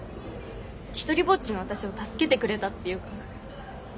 ひとりぼっちの私を助けてくれたっていうか。